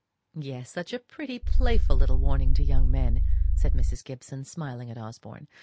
'" "Yes; such a pretty, playful little warning to young men," said Mrs. Gibson, smiling up at Osborne.